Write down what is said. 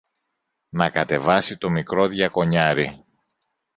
να κατεβάσει το μικρό διακονιάρη